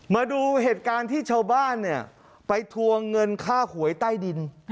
มาดูเหตุการณ์ที่ชาวบ้านเนี่ยไปทวงเงินค่าหวยใต้ดิน